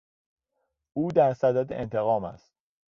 او در صدد انتقام است.